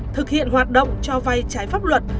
thực hiện hoạt động cho vai trái pháp luật